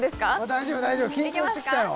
大丈夫大丈夫緊張してきたよ